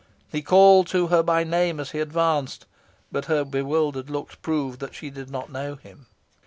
He called to her by name as he advanced, but her bewildered looks proved that she did not know him.